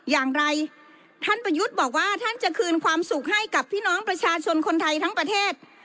อย่างไรท่านประยุทธ์บอกว่าท่านจะคืนความสุขให้กับพี่น้องประชาชนคนไทยทั้งประเทศ